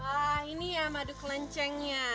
wah ini ya madu kelencengnya